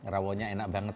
rawonnya enak banget